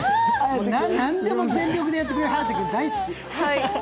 何でも全力でやってくれる颯君大好き。